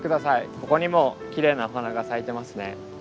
ここにもきれいなお花が咲いてますね。